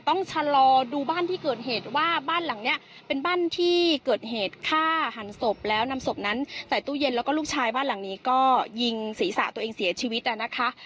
ต้องชะลอดูบ้านที่เกิดเหตุว่าบ้านหลังเนี้ยเป็นบ้านที่เกิดเหตุฆ่าหันศพแล้วนำศพนั้นใส่ตู้เย็นแล้วก็ลูกชายบ้านหลังนี้ก็ยิงศีรษะตัวเองเสียชีวิตนะคะ